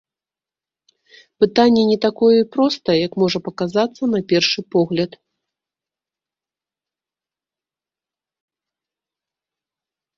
Пытанне не такое і простае, як можа паказацца на першы погляд.